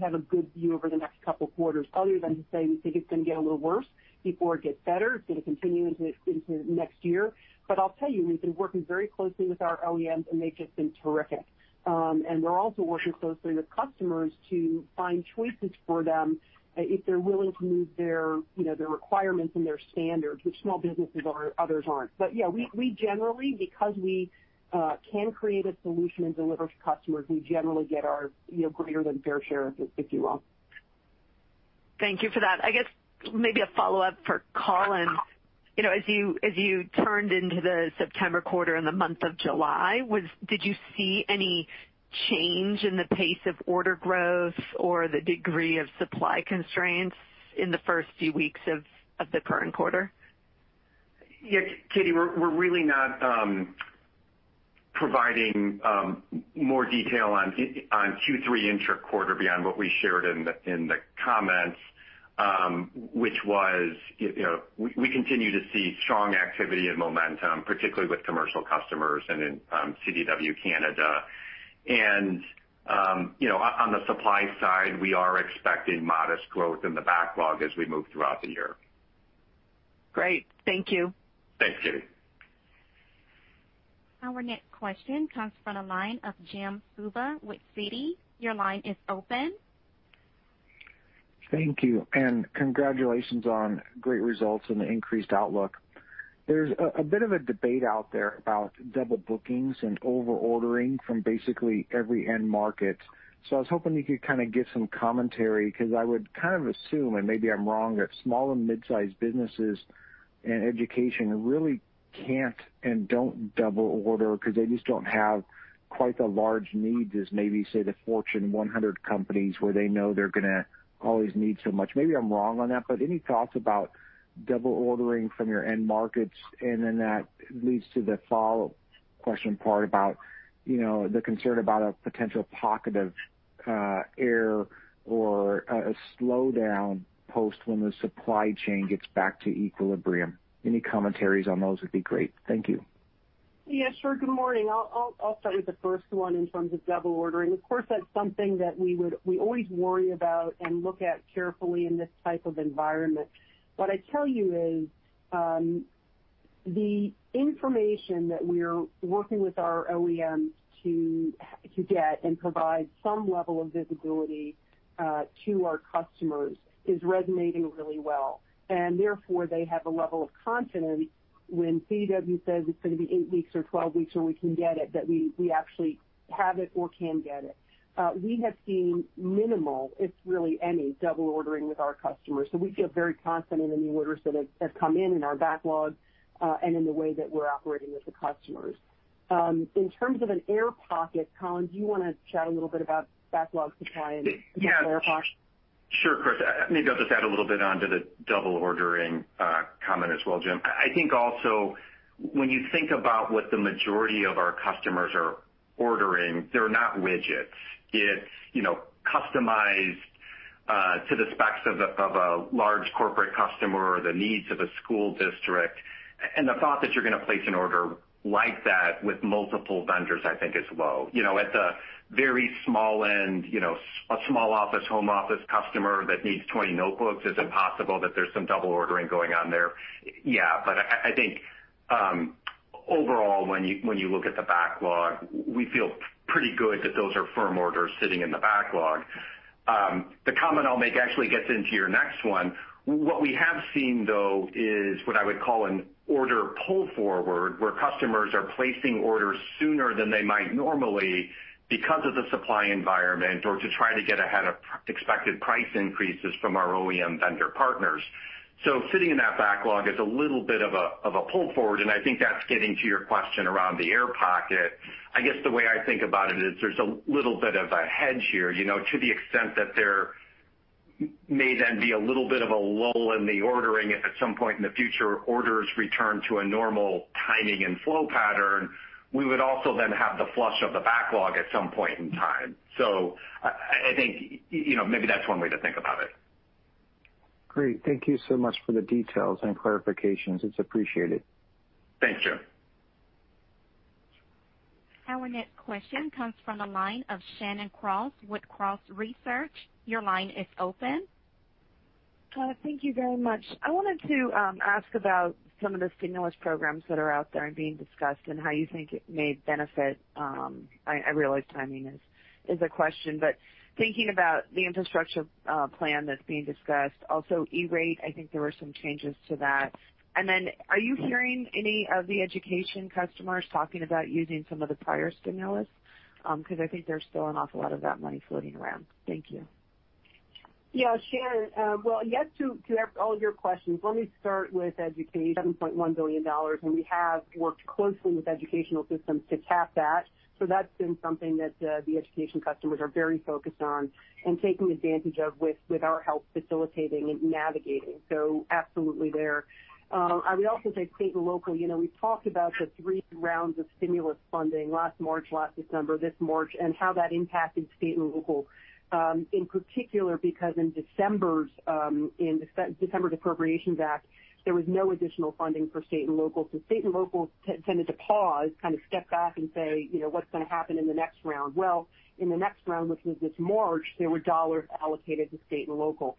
have a good view over the next couple of quarters other than to say we think it's going to get a little worse before it gets better. It's going to continue into next year. I'll tell you, we've been working very closely with our OEMs, and they've just been terrific. We're also working closely with customers to find choices for them if they're willing to move their requirements and their standards, which small businesses are, others aren't. Yeah, we generally, because we can create a solution and deliver to customers, we generally get our greater than fair share, if you will. Thank you for that. I guess maybe a follow-up for Collin. As you turned into the September quarter in the month of July, did you see any change in the pace of order growth or the degree of supply constraints in the first few weeks of the current quarter? Yeah, Katy, we're really not providing more detail on Q3 intra-quarter beyond what we shared in the comments, which was we continue to see strong activity and momentum, particularly with commercial customers and in CDW Canada. On the supply side, we are expecting modest growth in the backlog as we move throughout the year. Great. Thank you. Thanks, Katy. Our next question comes from the line of Jim Suva with Citi. Your line is open. Thank you, and congratulations on great results and the increased outlook. There's a bit of a debate out there about double bookings and over-ordering from basically every end market. I was hoping you could kind of give some commentary, because I would kind of assume, and maybe I'm wrong, that small and mid-sized businesses and education really can't and don't double order because they just don't have quite the large needs as maybe, say, the Fortune 100 companies, where they know they're going to always need so much. Maybe I'm wrong on that, but any thoughts about double ordering from your end markets? That leads to the follow-up question part about the concern about a potential pocket of air or a slowdown post when the supply chain gets back to equilibrium. Any commentaries on those would be great. Thank you. Yeah, sure. Good morning. I'll start with the first one in terms of double ordering. Of course, that's something that we always worry about and look at carefully in this type of environment. What I tell you is, the information that we're working with our OEMs to get and provide some level of visibility to our customers is resonating really well. Therefore, they have a level of confidence when CDW says it's going to be 8 weeks or 12 weeks, or we can get it, that we actually have it or can get it. We have seen minimal, if really any, double ordering with our customers. We feel very confident in the orders that have come in in our backlog, and in the way that we're operating with the customers. In terms of an air pocket, Collin, do you want to chat a little bit about backlog supply and air pocket? Sure, Chris. Maybe I'll just add a little bit onto the double ordering comment as well, Jim. I think also when you think about what the majority of our customers are ordering, they're not widgets. It's customized to the specs of a large corporate customer or the needs of a school district. The thought that you're going to place an order like that with multiple vendors, I think is low. At the very small end, a small office, home office customer that needs 20 notebooks, is it possible that there's some double ordering going on there? Yeah. I think overall, when you look at the backlog, we feel pretty good that those are firm orders sitting in the backlog. The comment I'll make actually gets into your next one. What we have seen, is what I would call an order pull forward, where customers are placing orders sooner than they might normally because of the supply environment or to try to get ahead of expected price increases from our OEM vendor partners. Sitting in that backlog is a little bit of a pull forward, and I think that's getting to your question around the air pocket. I guess the way I think about it is there's a little bit of a hedge here, to the extent that there may be a little bit of a lull in the ordering if at some point in the future, orders return to a normal timing and flow pattern. We would also have the flush of the backlog at some point in time. I think maybe that's one way to think about it. Great. Thank you so much for the details and clarifications. It is appreciated. Thank you. Our next question comes from the line of Shannon Cross with Cross Research. Your line is open. Thank you very much. I wanted to ask about some of the stimulus programs that are out there and being discussed and how you think it may benefit. I realize timing is a question, but thinking about the infrastructure plan that's being discussed, also E-Rate, I think there were some changes to that. Are you hearing any of the education customers talking about using some of the prior stimulus? Because I think there's still an awful lot of that money floating around. Thank you. Shannon, yet to connect all your questions, let me start with education, $7.1 billion, and we have worked closely with educational systems to tap that. That's been something that the education customers are very focused on and taking advantage of with our help facilitating and navigating. Absolutely there. I would also say state and local, we talked about the three rounds of stimulus funding last March, last December, this March, and how that impacted state and local. In particular, because in December's Appropriations Act, there was no additional funding for state and local. State and local tended to pause, kind of step back and say, What's going to happen in the next round? In the next round, which was this March, there were dollars allocated to state and local.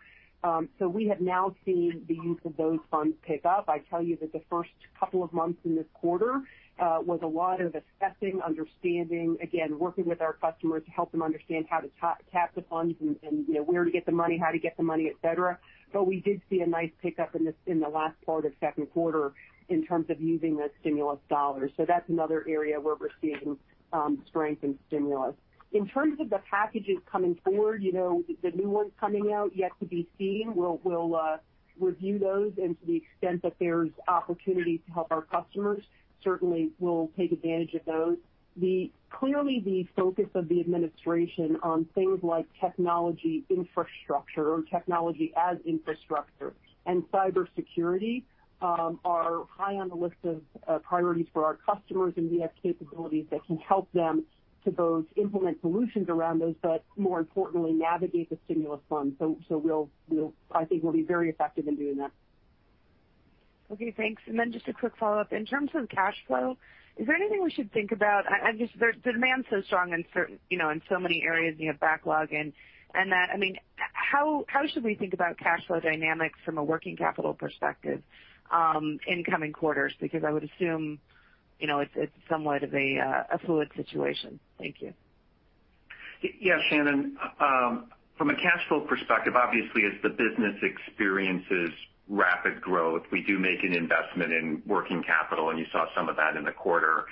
We have now seen the use of those funds pick up. I tell you that the first couple of months in this quarter was a lot of assessing, understanding, again, working with our customers to help them understand how to tap the funds and where to get the money, how to get the money, et cetera. We did see a nice pickup in the last part of second quarter in terms of using the stimulus dollars. That's another area where we're seeing strength in stimulus. In terms of the packages coming forward, the new ones coming out yet to be seen. We'll review those and to the extent that there's opportunity to help our customers, certainly we'll take advantage of those. Clearly, the focus of the administration on things like technology infrastructure or technology as infrastructure and cybersecurity are high on the list of priorities for our customers, and we have capabilities that can help them to both implement solutions around those, but more importantly, navigate the stimulus funds. I think we'll be very effective in doing that. Okay, thanks. Just a quick follow-up. In terms of cash flow, is there anything we should think about? The demand's so strong in so many areas, you have backlog and that. How should we think about cash flow dynamics from a working capital perspective in coming quarters? I would assume, it's somewhat of a fluid situation. Thank you. Shannon. From a cash flow perspective, obviously, as the business experiences rapid growth, we do make an investment in working capital, and you saw some of that in the quarter.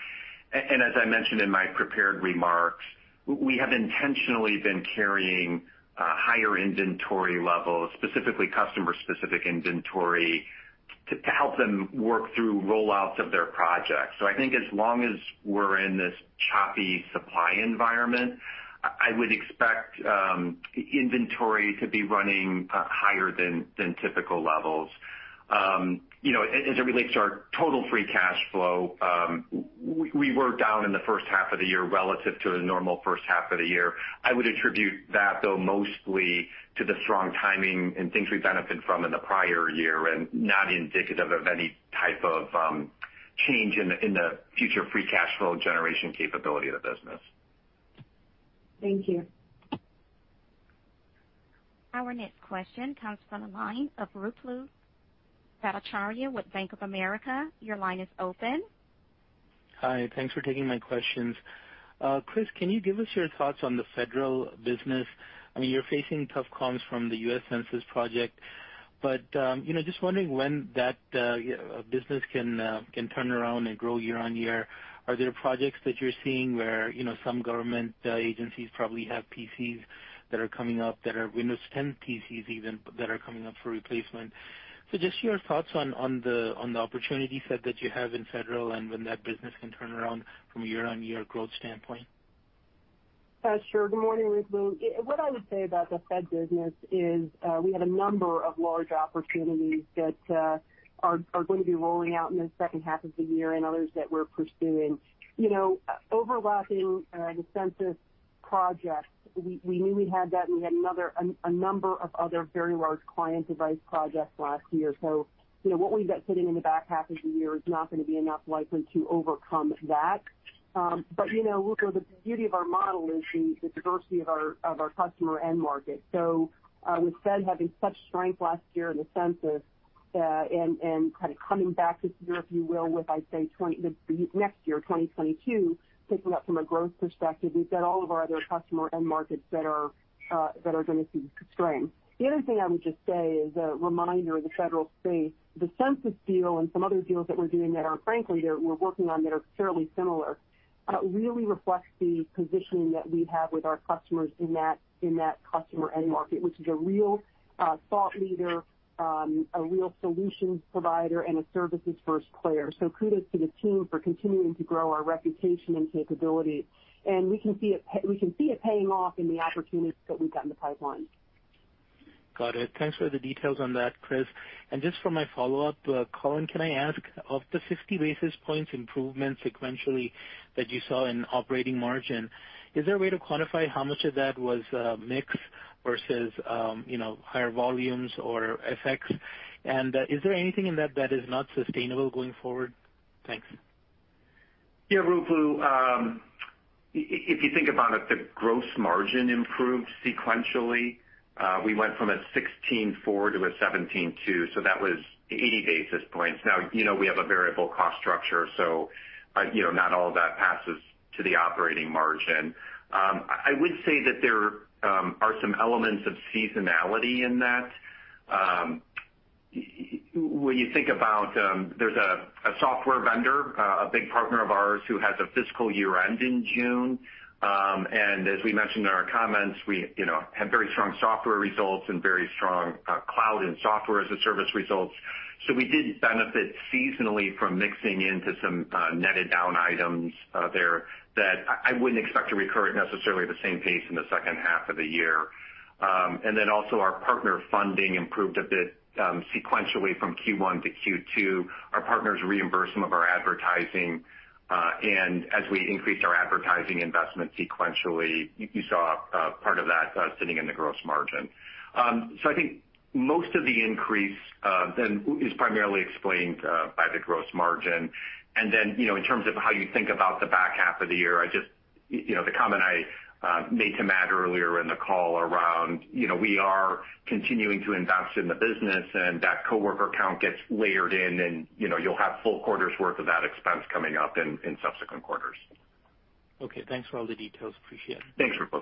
As I mentioned in my prepared remarks, we have intentionally been carrying higher inventory levels, specifically customer-specific inventory, to help them work through rollouts of their projects. I think as long as we're in this choppy supply environment, I would expect inventory to be running higher than typical levels. As it relates to our total free cash flow, we were down in the first half of the year relative to the normal first half of the year. I would attribute that, though, mostly to the strong timing and things we benefited from in the prior year and not indicative of any type of change in the future free cash flow generation capability of the business. Thank you. Our next question comes from the line of Ruplu Bhattacharya with Bank of America. Your line is open. Hi. Thanks for taking my questions. Chris, can you give us your thoughts on the federal business? You're facing tough comps from the U.S. Census Bureau, just wondering when that business can turn around and grow year-on-year. Are there projects that you're seeing where some government agencies probably have PCs that are coming up that are Windows 10 PCs even that are coming up for replacement? Just your thoughts on the opportunity set that you have in federal and when that business can turn around from a year-on-year growth standpoint. Sure. Good morning, Ruplu. What I would say about the Fed business is we have a number of large opportunities that are going to be rolling out in the second half of the year and others that we're pursuing. Overlapping the Census project, we knew we had that. We had a number of other very large client device projects last year. What we've got sitting in the back half of the year is not going to be enough likely to overcome that. The beauty of our model is the diversity of our customer end market. With Fed having such strength last year in the Census, and kind of coming back this year, if you will, with, I'd say next year, 2022, picking up from a growth perspective, we've got all of our other customer end markets that are going to see strength. The other thing I would just say is a reminder in the federal space, the Census deal and some other deals that we're working on that are fairly similar, really reflects the positioning that we have with our customers in that customer end market, which is a real thought leader, a real solution provider, and a services-first player. Kudos to the team for continuing to grow our reputation and capability, and we can see it paying off in the opportunities that we've got in the pipeline. Got it. Thanks for the details on that, Chris. Just for my follow-up, Collin, can I ask, of the 50 basis points improvement sequentially that you saw in operating margin, is there a way to quantify how much of that was mix versus higher volumes or FX? Is there anything in that that is not sustainable going forward? Thanks. Yeah, Ruplu. If you think about it, the gross margin improved sequentially. We went from a 16.4% to a 17.2%, so that was 80 basis points. We have a variable cost structure, so not all of that passes to the operating margin. I would say that there are some elements of seasonality in that. When you think about, there's a software vendor, a big partner of ours who has a fiscal year-end in June. As we mentioned in our comments, we had very strong software results and very strong cloud and software as a service results. We did benefit seasonally from mixing into some netted down items there that I wouldn't expect to recur necessarily at the same pace in the second half of the year. Our partner funding improved a bit sequentially from Q1-Q2. Our partners reimburse some of our advertising. As we increased our advertising investment sequentially, you saw part of that sitting in the gross margin. I think most of the increase then is primarily explained by the gross margin. Then, in terms of how you think about the back half of the year, the comment I made to Matt earlier in the call around we are continuing to invest in the business, and that coworker count gets layered in, and you'll have full quarter's worth of that expense coming up in subsequent quarters. Okay. Thanks for all the details. Appreciate it. Thanks, Ruplu.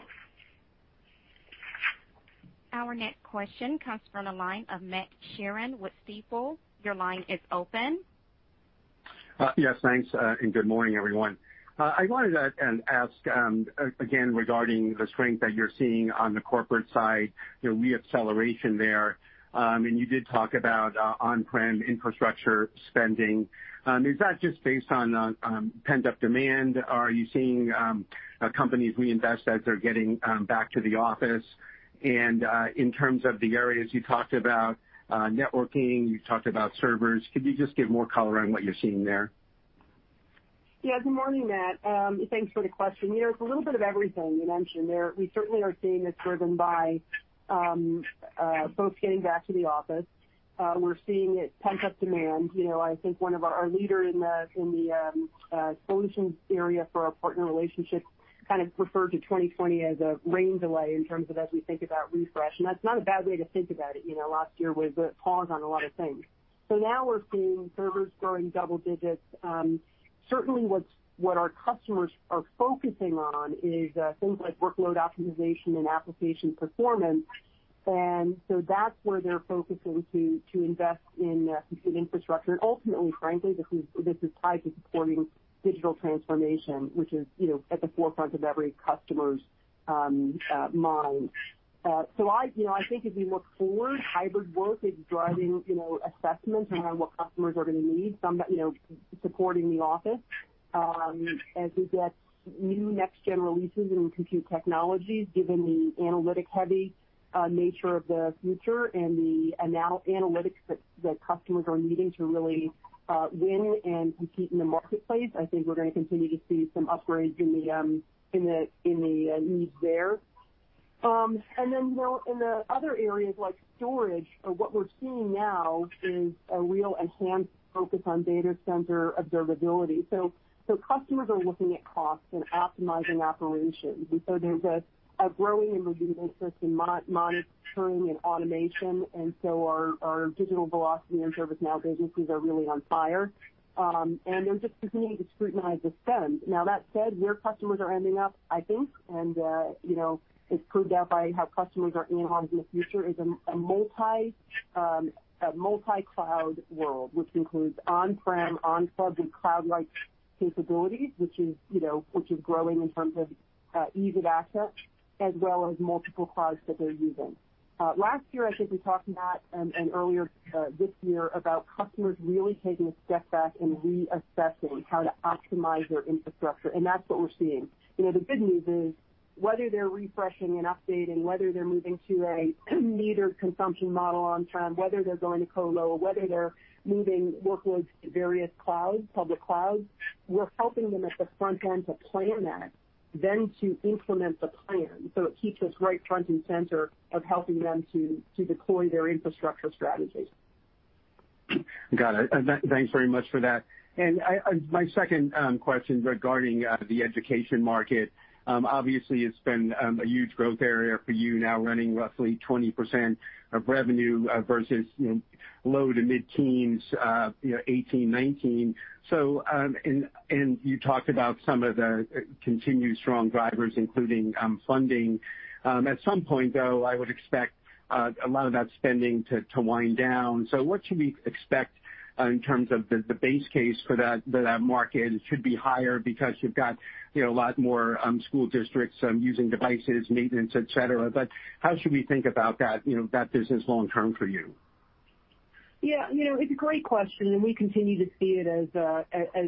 Our next question comes from the line of Matt Sheerin with Stifel. Your line is open. Yes, thanks, and good morning, everyone. I wanted to ask, again, regarding the strength that you're seeing on the corporate side, the re-acceleration there. You did talk about on-prem infrastructure spending. Is that just based on pent-up demand? Are you seeing companies reinvest as they're getting back to the office? In terms of the areas you talked about, networking, you talked about servers. Could you just give more color on what you're seeing there? Good morning, Matt. Thanks for the question. It's a little bit of everything you mentioned there. We certainly are seeing it's driven by folks getting back to the office. We're seeing it pent-up demand. I think our leader in the solutions area for our partner relationships kind of referred to 2020 as a rain delay in terms of as we think about refresh. That's not a bad way to think about it. Last year was a pause on a lot of things. Now we're seeing servers growing double-digits. Certainly what our customers are focusing on is things like workload optimization and application performance, that's where they're focusing to invest in compute infrastructure. Ultimately, frankly, this is tied to supporting digital transformation, which is at the forefront of every customer's mind. I think as we look forward, hybrid work is driving assessment around what customers are going to need, some supporting the office. As we get new next-gen releases in compute technologies, given the analytic-heavy nature of the future and the analytics that customers are needing to really win and compete in the marketplace, I think we're going to continue to see some upgrades in the needs there. In the other areas like storage, what we're seeing now is a real enhanced focus on data center observability. Customers are looking at costs and optimizing operations. There's a growing and renewed interest in monitoring and automation, and so our Digital Velocity and ServiceNow businesses are really on fire. They're just continuing to scrutinize the spend. That said, where customers are ending up, I think, and it's proved out by how customers are enhancing the future, is a multi-cloud world, which includes on-prem, off-prem, and cloud-like capabilities, which is growing in terms of ease of access as well as multiple clouds that they're using. Last year, I think we talked, Matt, earlier this year, about customers really taking a step back and reassessing how to optimize their infrastructure, that's what we're seeing. The good news is whether they're refreshing and updating, whether they're moving to a metered consumption model on-prem, whether they're going to colocation, whether they're moving workloads to various clouds, public clouds, we're helping them at the front end to plan that, to implement the plan. It keeps us right front and center of helping them to deploy their infrastructure strategies. Got it. Thanks very much for that. My second question regarding the education market. Obviously, it's been a huge growth area for you now, running roughly 20% of revenue versus low to mid-teens '18, '19. You talked about some of the continued strong drivers, including funding. At some point, though, I would expect a lot of that spending to wind down. What should we expect in terms of the base case for that market? It should be higher because you've got a lot more school districts using devices, maintenance, et cetera. How should we think about that business long term for you? Yeah. It's a great question. We continue to see it as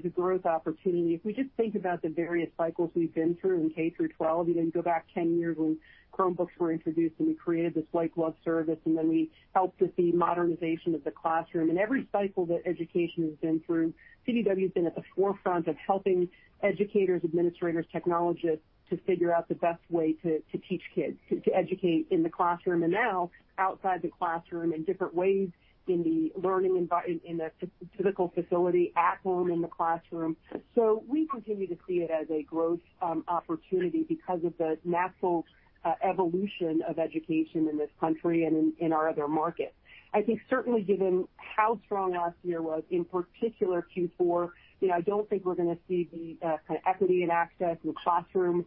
a growth opportunity. If we just think about the various cycles we've been through in K-12, you go back 10 years when Chromebooks were introduced. We created this white glove service. We helped with the modernization of the classroom. Every cycle that education has been through, CDW has been at the forefront of helping educators, administrators, technologists to figure out the best way to teach kids, to educate in the classroom, and now outside the classroom in different ways, in the typical facility, at home, in the classroom. We continue to see it as a growth opportunity because of the natural evolution of education in this country and in our other markets. I think certainly given how strong last year was, in particular Q4, I don't think we're going to see the kind of equity and access and classroom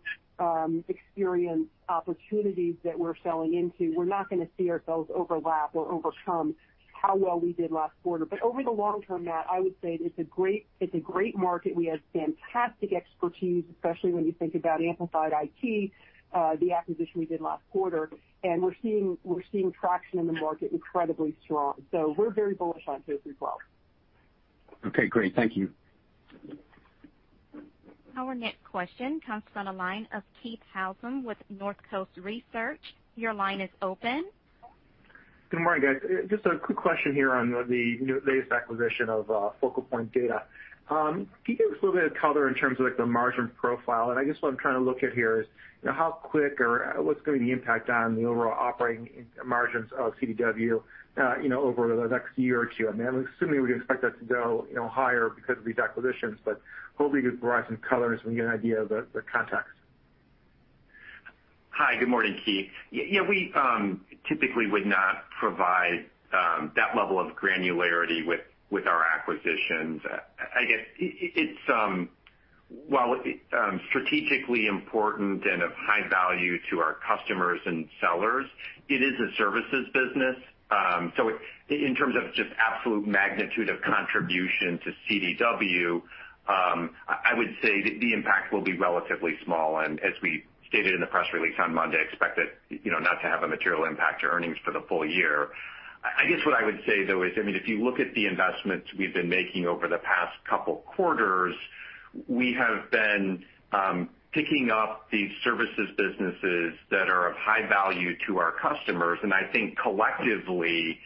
experience opportunities that we're selling into. We're not going to see ourselves overlap or overcome how well we did last quarter. Over the long-term, Matt, I would say it's a great market. We have fantastic expertise, especially when you think about Amplified IT, the acquisition we did last quarter. We're seeing traction in the market incredibly strong. We're very bullish on K-12. Okay, great. Thank you. Our next question comes from the line of Keith Housum with Northcoast Research. Your line is open. Good morning, guys. Just a quick question here on the latest acquisition of Focal Point Data. Can you give us a little bit of color in terms of the margin profile? I guess what I'm trying to look at here is how quick or what's going to be the impact on the overall operating margins of CDW over the next year or two. I'm assuming we'd expect that to go higher because of these acquisitions, but hopefully you can provide some color and some good idea of the context. Hi, good morning, Keith. We typically would not provide that level of granularity with our acquisitions. I guess, while strategically important and of high value to our customers and sellers, it is a services business. In terms of just absolute magnitude of contribution to CDW, I would say the impact will be relatively small. As we stated in the press release on Monday, expect it not to have a material impact to earnings for the full-year. I guess what I would say, though, is if you look at the investments we've been making over the past couple of quarters, we have been picking up these services businesses that are of high value to our customers, and I think collectively,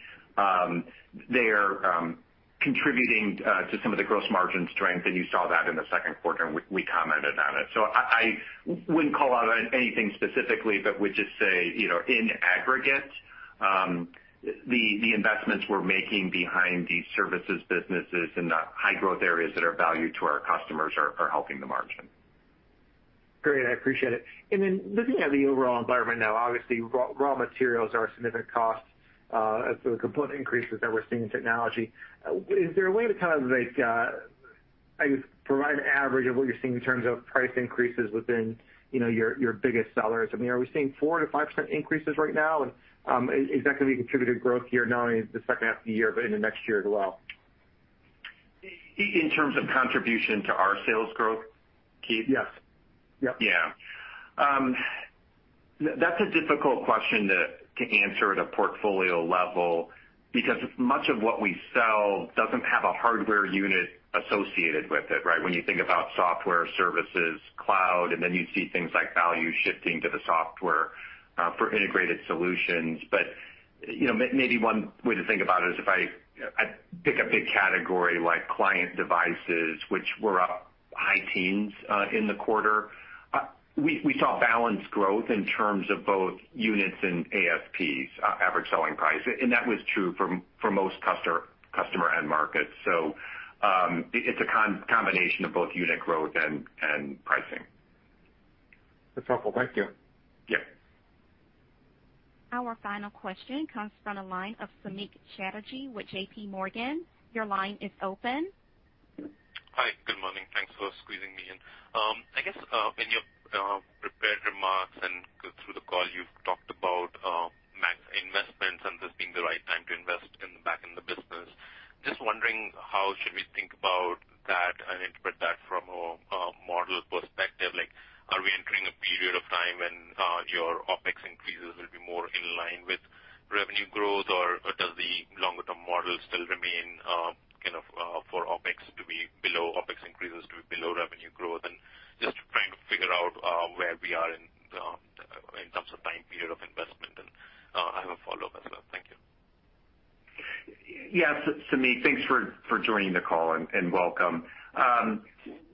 they're contributing to some of the gross margin strength, and you saw that in the second quarter, and we commented on it. I wouldn't call out anything specifically, but would just say, in aggregate, the investments we're making behind these services businesses in the high growth areas that are valued to our customers are helping the margin. Great. I appreciate it. Then looking at the overall environment now, obviously raw materials are a significant cost. The component increases that we're seeing in technology, is there a way to provide an average of what you're seeing in terms of price increases within your biggest sellers? Are we seeing 4%-5% increases right now, and is that going to be contributed growth here, not only in the second half of the year, but into next year as well? In terms of contribution to our sales growth, Keith? Yes. Yeah. That's a difficult question to answer at a portfolio level because much of what we sell doesn't have a hardware unit associated with it, right? When you think about software services, cloud, and then you see things like value shifting to the software for integrated solutions. Maybe one way to think about it is if I pick a big category like client devices, which were up high teens in the quarter. We saw balanced growth in terms of both units and ASPs, average selling price, and that was true for most customer end markets. It's a combination of both unit growth and pricing. That's helpful. Thank you. Yeah. Our final question comes from the line of Samik Chatterjee with JPMorgan. Your line is open. Hi. Good morning. Thanks for squeezing me in. I guess in your prepared remarks and through the call, you've talked about max investments and this being the right time to invest back in the business. Just wondering how should we think about that and interpret that from a model perspective? Are we entering a period of time when your OpEx increases will be more in line with revenue growth, or does the longer-term model still remain for OpEx increases to be below revenue growth? Just trying to figure out where we are in terms of time period of investment. I have a follow-up as well. Thank you. Yes, Samik. Thanks for joining the call and welcome.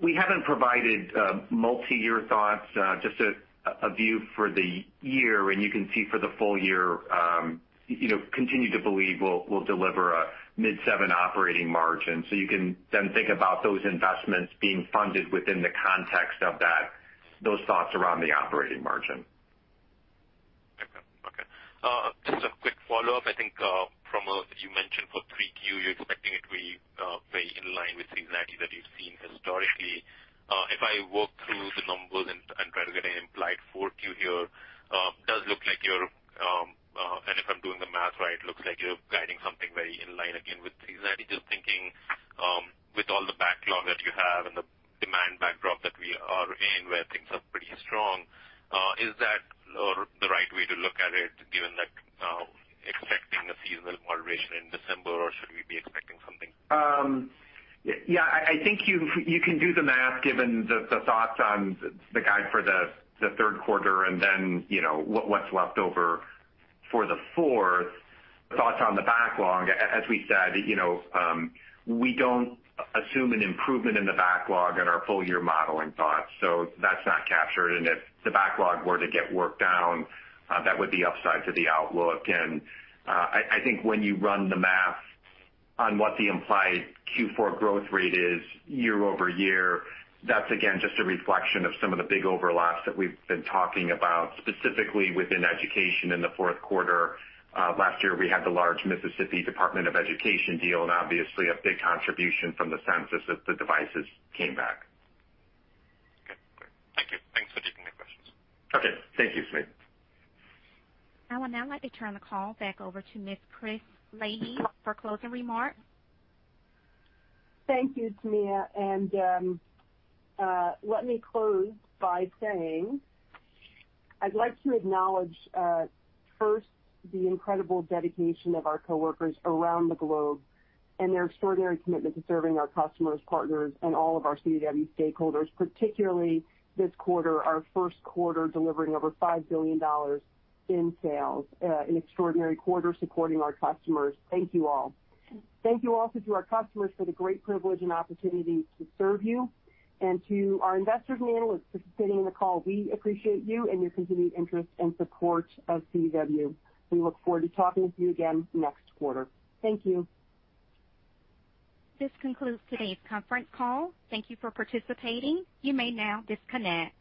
We haven't provided multi-year thoughts, just a view for the year. You can see for the full year, continue to believe we'll deliver a mid-7% operating margin. You can then think about those investments being funded within the context of those thoughts around the operating margin. Okay. Just a quick follow-up. I think you mentioned for 3Q, you are expecting it to be very in line with seasonality that you have seen historically. If I work through the numbers and try to get an implied 4Q here, and if I am doing the math right, it looks like you are guiding something very in line again with seasonality. Just thinking, with all the backlog that you have and the demand backdrop that we are in where things are pretty strong, is that the right way to look at it, given expecting a seasonal moderation in December, or should we be expecting something? I think you can do the math given the thoughts on the guide for the third quarter and then what's left over for the fourth. Thoughts on the backlog, as we said, we don't assume an improvement in the backlog in our full-year modeling thoughts. That's not captured, and if the backlog were to get worked down, that would be upside to the outlook. I think when you run the math on what the implied Q4 growth rate is year-over-year, that's again, just a reflection of some of the big overlaps that we've been talking about, specifically within education in the fourth quarter. Last year, we had the large Mississippi Department of Education deal, and obviously a big contribution from the census as the devices came back. Okay, great. Thank you. Thanks for taking the questions. Okay. Thank you, Samik. I would now like to turn the call back over to Ms. Chris Leahy for closing remarks. Thank you, Tamia. Let me close by saying, I'd like to acknowledge, first, the incredible dedication of our coworkers around the globe and their extraordinary commitment to serving our customers, partners, and all of our CDW stakeholders, particularly this quarter, our first quarter, delivering over $5 billion in sales. An extraordinary quarter supporting our customers. Thank you all. Thank you also to our customers for the great privilege and opportunity to serve you. To our investors and analysts participating in the call, we appreciate you and your continued interest and support of CDW. We look forward to talking to you again next quarter. Thank you. This concludes today's conference call. Thank you for participating. You may now disconnect.